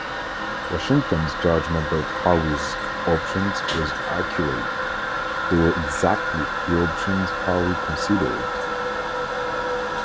Washington's judgment of Howe's options was accurate; they were exactly the options Howe considered.